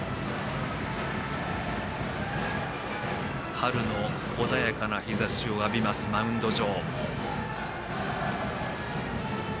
春の穏やかな日ざしを浴びますマウンド上。